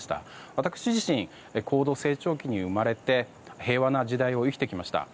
私自身、高度成長期に生まれて平和な時代を生きてきました。